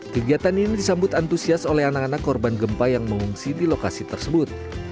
kegiatan ini disambut antusias oleh anak anak korban gempa yang mengungsi di lokasi tersebut